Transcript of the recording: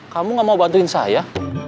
kamu gak mau bantuin saya